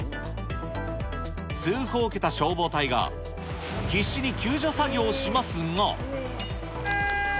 通報を受けた消防隊が、必死に救助作業しますが。